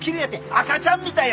赤ちゃんみたいやぞ。